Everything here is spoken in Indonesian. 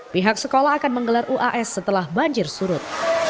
pihak sekolah akan menggelar uas setelah banjir surut